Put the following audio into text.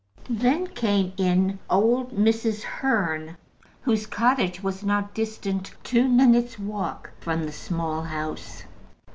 Then came in old Mrs. Hearn, whose cottage was not distant two minutes' walk from the Small House.